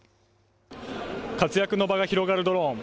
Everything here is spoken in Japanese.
活躍の場が広がるドローン。